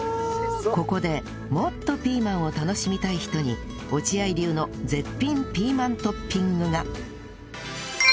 ここでもっとピーマンを楽しみたい人に落合流の絶品ピーマントッピングが